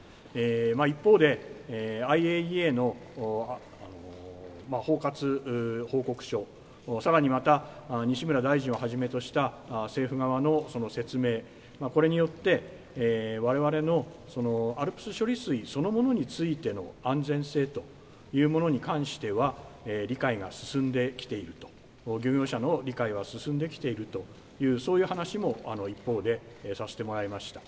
一方で、ＩＡＥＡの包括報告書、さらにまた、西村大臣をはじめとした政府側の説明、これによって、われわれのＡＬＰＳ処理水そのものについての安全性というものに関しては、理解が進んできていると、漁業者の理解は進んできているという、そういう話も一方でさせてもらいました。